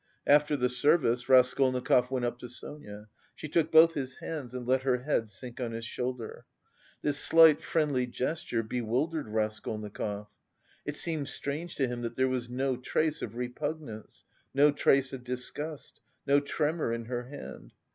After the service, Raskolnikov went up to Sonia. She took both his hands and let her head sink on his shoulder. This slight friendly gesture bewildered Raskolnikov. It seemed strange to him that there was no trace of repugnance, no trace of disgust, no tremor in her hand.